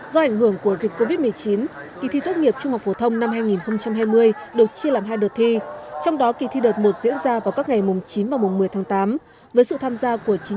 do ảnh hưởng của dịch covid một mươi chín kỳ thi tốt nghiệp trung học phổ thông năm hai nghìn hai mươi được chia làm hai đợt thi trong đó kỳ thi đợt một diễn ra vào các ngày mùng chín và mùng một mươi tháng tám với sự tham gia của chín trăm linh